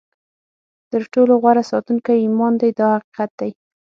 تر ټولو غوره ساتونکی ایمان دی دا حقیقت دی.